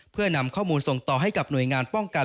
เพื่อนำข้อมูลส่งต่อให้กับหน่วยงานป้องกัน